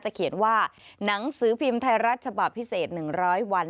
เขียนว่าหนังสือพิมพ์ไทยรัฐฉบับพิเศษ๑๐๐วัน